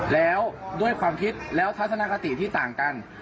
แล้วด้วยความคิดแล้วทัศนคติที่ต่างกัน